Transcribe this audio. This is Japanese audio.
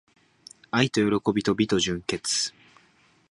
愛と喜びと美と純潔